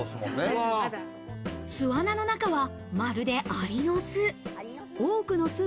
巣穴の中は、まるでアリの巣。